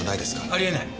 あり得ない。